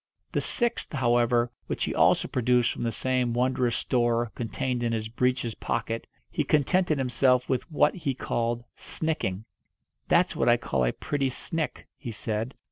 The sixth, however, which he also produced from the same wondrous store contained in his breeches pocket, he contented himself with what he called "snicking." "That's what I call a pretty snick," he said.